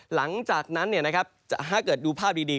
หลังจากนั้นเนี่ยนะครับถ้าเกิดดูภาพดี